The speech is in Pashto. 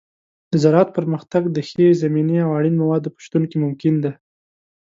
د زراعت پرمختګ د ښې زمینې او اړین موادو په شتون کې ممکن دی.